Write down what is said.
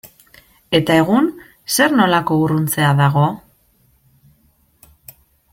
Eta egun zer nolako urruntzea dago?